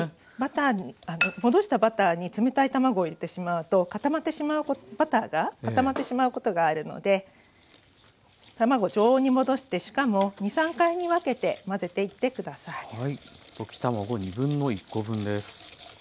戻したバターに冷たい卵を入れてしまうとバターが固まってしまうことがあるので卵を常温に戻してしかも２３回に分けて混ぜていって下さい。